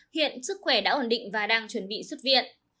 hiện sức khỏe đã ổn định và đang chuẩn bị xuất viện